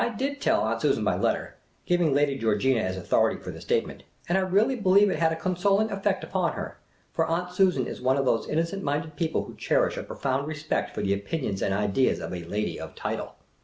,1 did tell Aunt Susan by letter, giving Lady Georgina as authority for the statement ; and I really believe it had a consoling effect upon her ; for Aunt Susan is one of those innocent minded people who cherish a profound respect for the opinions and ideas of a Lady of Title.